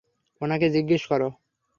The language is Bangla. ওনাকে জিজ্ঞেস করো।